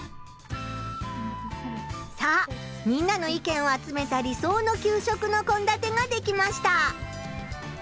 さあみんなの意見を集めた理想の給食のこんだてができました！